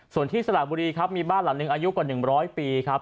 ส่วนที่สระบุรีครับมีบ้านหลังหนึ่งอายุกว่า๑๐๐ปีครับ